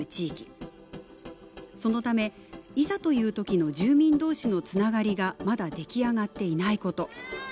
そのためいざという時の住民同士のつながりがまだ出来上がっていないこと。